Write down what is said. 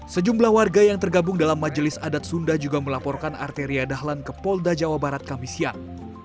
sejumlah warga yang tergabung dalam majelis adat sunda juga melaporkan arteria dahlan ke polda jawa barat kami siang